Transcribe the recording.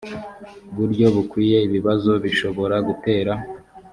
buryo bukwiye ibibazo bishobora gutera